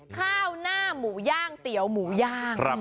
ข้าวหน้าหมูย่างเตี๋ยวหมูย่าง